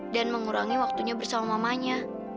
dan mengurangi waktunya bersama mamanya